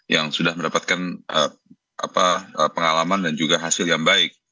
yang sudah mendapatkan pengalaman dan juga hasil yang baik